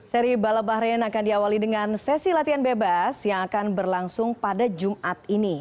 seri balap bahrain akan diawali dengan sesi latihan bebas yang akan berlangsung pada jumat ini